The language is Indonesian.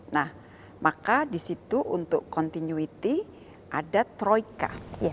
nah maka di situ untuk continuity ada troika